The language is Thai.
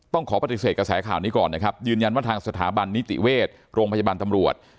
ขอปฏิเสธกระแสข่าวนี้ก่อนนะครับยืนยันว่าทางสถาบันนิติเวชโรงพยาบาลตำรวจ